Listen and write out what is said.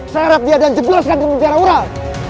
saya harap dia dan jebaskan kemenjara ular